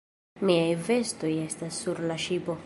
Miaj vestoj estas sur la ŝipo.